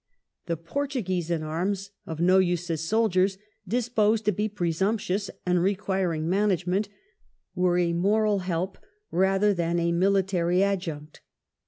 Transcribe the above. The Portuguese in arms. V LANDS ON THE MONDEGO 97 of no use as soldiers, disposed to be presumptuous, and requiring management, were a moral help rather than a military adjunct.